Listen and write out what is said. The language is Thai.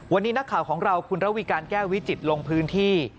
วันนี้นักข่าวของเราคุณระวีการแก้ววิจิตรลงพื้นที่